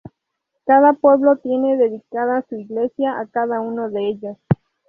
Cada pueblo tiene dedicada su iglesia a cada uno de ellos.